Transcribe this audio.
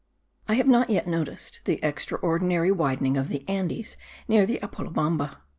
I have not yet noticed the extraordinary widening of the Andes near the Apolobamba.